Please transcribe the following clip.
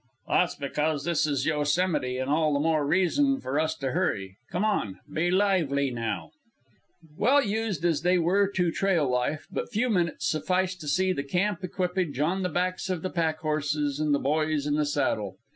"That's because this is Yosemite, and all the more reason for us to hurry. Come on! Be lively, now!" Well used as they were to trail life, but few minutes sufficed to see the camp equipage on the backs of the packhorses and the boys in the saddle.